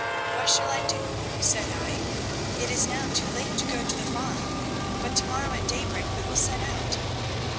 'What shall I do,' said I; 'it is now too late to go to the farm, but to morrow at daybreak we will set out.'